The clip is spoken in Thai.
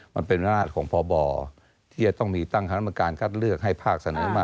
มันเป็นอำนาจของพบที่จะต้องมีตั้งคณะกรรมการคัดเลือกให้ภาคเสนอมา